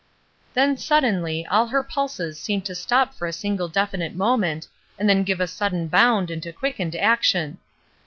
Then, suddenly, all her pulses seemed to stop for a single definite moment, and then give a sudden bound into quickened action.